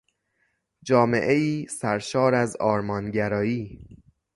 جامعهای سرشار از آرمانگرایی